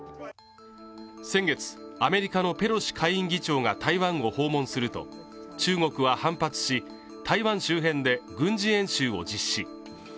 先月アメリカのペロシ下院議長が台湾を訪問すると中国は反発し台湾周辺で軍事演習を実施